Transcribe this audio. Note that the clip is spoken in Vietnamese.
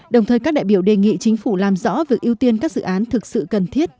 đồng thời các đại biểu đề nghị chính phủ làm rõ việc ưu tiên các dự án thực sự cần thiết